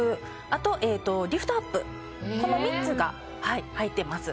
あとリフトアップこの３つが入っています。